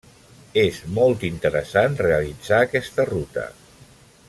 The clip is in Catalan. És molt interessant realitzar aquesta ruta.